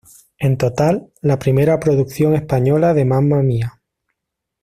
En total, la primera producción española de "Mamma Mia!